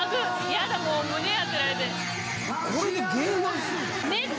嫌だもう胸当てられて。